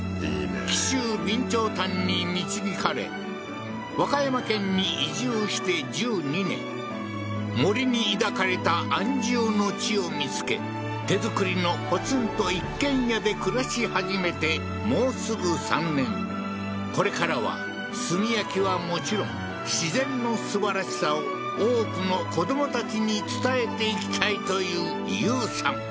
紀州備長炭に導かれ和歌山県に移住して１２年森に抱かれた安住の地を見つけ手作りのポツンと一軒家で暮らし始めてもうすぐ３年これからは炭焼きはもちろん自然のすばらしさを多くの子どもたちに伝えていきたいという有さん